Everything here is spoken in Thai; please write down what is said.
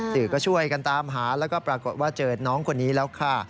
สื่อก็ช่วยกันตามหาแล้วก็ปรากฏว่าเจอน้องคนนี้แล้วค่ะ